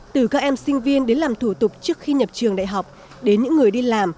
từ các em sinh viên đến làm thủ tục trước khi nhập trường đại học đến những người đi làm